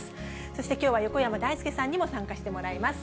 そして、きょうは横山だいすけさんにも参加してもらいます。